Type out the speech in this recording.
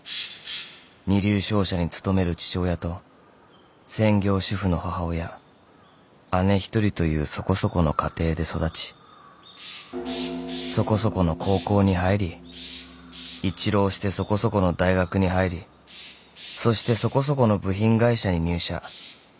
［二流商社に勤める父親と専業主婦の母親姉１人というそこそこの家庭で育ちそこそこの高校に入り１浪してそこそこの大学に入りそしてそこそこの部品会社に入社］